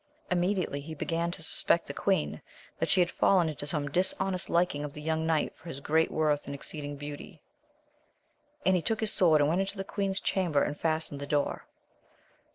Immediately he began to suspect the queen, that she had fallen into some dishonest liking of the young knight for his great worth and exceeding beauty ; and he took his sword, and went into the queen's chamber, and fastened the door.